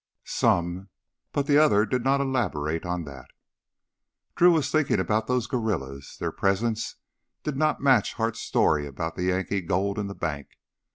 "Some." But the other did not elaborate on that. Drew was thinking about those guerrillas; their presence did not match Hart's story about the Yankee gold in the bank.